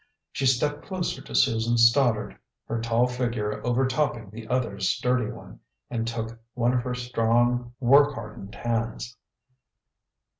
She stepped closer to Susan Stoddard, her tall figure overtopping the other's sturdy one, and took one of her strong, work hardened hands.